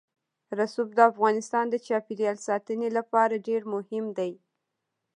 رسوب د افغانستان د چاپیریال ساتنې لپاره ډېر مهم دي.